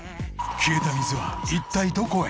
消えた水は一体どこへ？